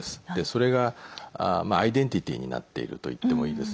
それがアイデンティティーになっているといってもいいです。